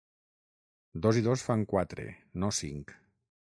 Dos i dos fan quatre, no cinc.